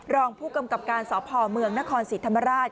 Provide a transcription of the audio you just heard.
รองผู้กำกับการสพเมืองนครศรีธรรมราช